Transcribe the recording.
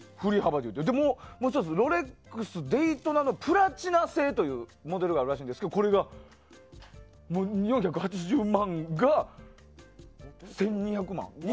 もう１つロレックスデイトナのプラチナ製というモデルがあるんですけどこれが４８０万円が１２００万円。